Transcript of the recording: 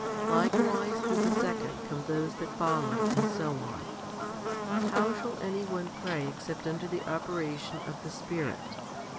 Likewise through the second come those that follow, and so on. How shall any one pray except under the operation of the Spirit